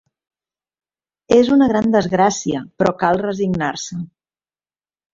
És una gran desgràcia, però cal resignar-se.